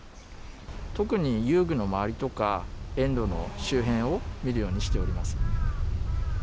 特に遊具の周りとか、園路の周辺を見るようにしております。